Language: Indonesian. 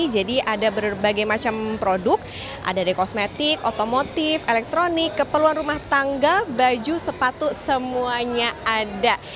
jadi ada berbagai macam produk ada dari kosmetik otomotif elektronik keperluan rumah tangga baju sepatu semuanya ada